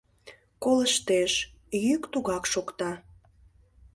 Колыштеш, йӱк тугак шокта.